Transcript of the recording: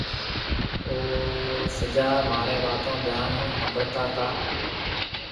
او سجا مهاريَ واتون ڌيان هون هونبڙتي تي۔